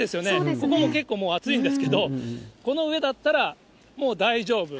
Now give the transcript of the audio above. ここも結構熱いんですけれども、この上だったら、大丈夫。